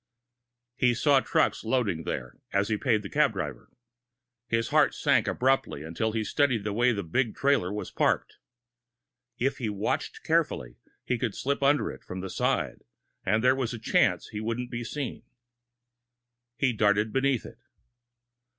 He saw trucks loading there, as he paid the cab driver. His heart sank abruptly, until he studied the way the big trailer was parked. If he watched carefully, he could slip under it from the side, and there was a chance he wouldn't be seen. He darted beneath it.